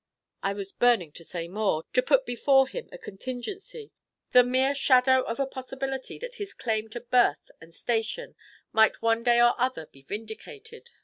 I was burning to say more, to put before him a contingency, the mere shadow of a possibility that his claim to birth and station might one day or other be vindicated.